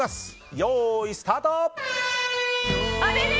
よーい、スタート！